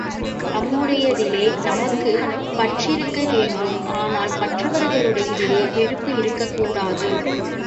நம்முடையதிலே நமக்குப் பற்றிருக்க வேண்டும் ஆனால் மற்றவர்களுடையதிலே வெறுப்பு இருக்கக்கூடாது.